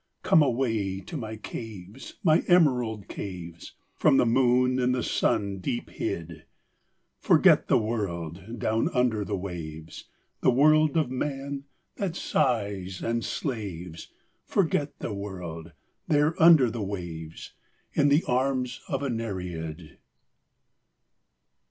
Come away to my caves, my emerald caves, From the moon and the sun deep hid! Forget the world, down under the waves, The world of man that sighs and slaves, Forget the world, there under the waves, In the arms of a Nereid!"